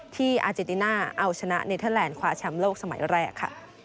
อาเจติน่าเอาชนะเนเทอร์แลนดคว้าแชมป์โลกสมัยแรกค่ะ